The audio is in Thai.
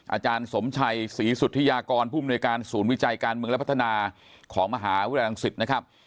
อาจารย์สมชัยศรีสุธิยากรผู้มนวยการศูนย์วิจัยการเมืองและพัฒนาของมหาวิทยาลังศิษย์นะครับ